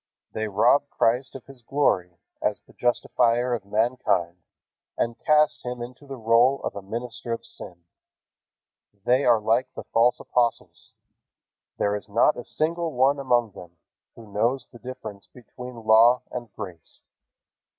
They rob Christ of His glory as the Justifier of mankind and cast Him into the role of a minister of sin. They are like the false apostles. There is not a single one among them who knows the difference between law and grace.